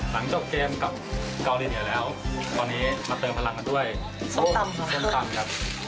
หลังจบเกมกับเกาหลีเหนือแล้วตอนนี้มาเติมพลังกันด้วยส้มตำครับ